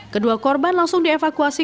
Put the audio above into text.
kedua korban langsung dievakuasi